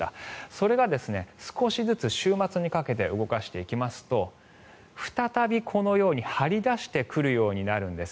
それが少しずつ週末にかけて動かしていきますと再び、このように張り出してくるようになるんです。